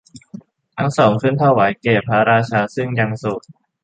ทั้งสองขึ้นถวายแก่พระราชาซึ่งยังโสด